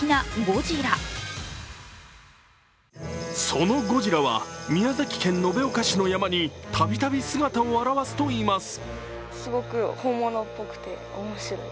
そのゴジラは宮崎県延岡市の山に度々姿を現すといいます。